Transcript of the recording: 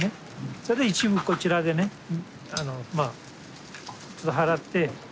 それで一部こちらでねまあちょっと払って。